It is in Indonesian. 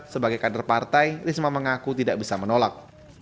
sebagai kader partai risma mengaku tidak bisa menolak